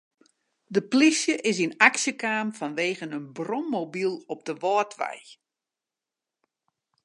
De plysje is yn aksje kaam fanwegen in brommobyl op de Wâldwei.